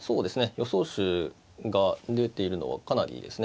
予想手が出ているのはかなりですね